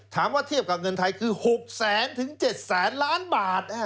ถามว่าเทียบกับเงินไทยคือ๖๐๐๐๐๐ถึง๗๐๐๐๐๐ล้านบาท